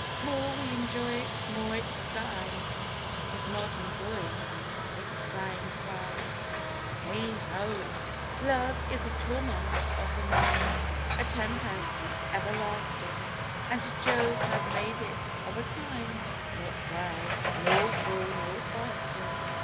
More we enjoy it, more it dies, If not enjoyed, it sighing cries, Heigh ho! Love is a torment of the mind, A tempest everlasting; And Jove hath made it of a kind Not well, nor full nor fasting.